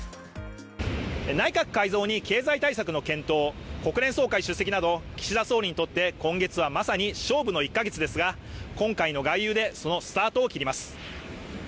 内閣改造に経済対策の検討、国連総会出席など、岸田総理にとって今月はまさに勝負の１か月ですが、今回の外遊でそのスタートを切ります。